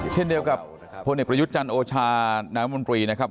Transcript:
เช่นเดียวกับพพระยุทธ์จันทร์โอชานมนะครับ